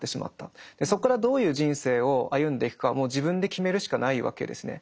そこからどういう人生を歩んでいくかはもう自分で決めるしかないわけですね。